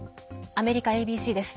アメリカＡＢＣです。